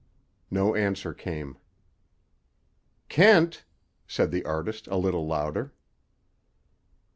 No answer came. "Kent!" said the artist a little louder.